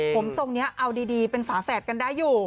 ผมทรงนี้เอาดีเป็นฝาแฝดกันได้อยู่